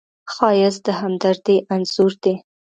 ښایست د همدردۍ انځور دی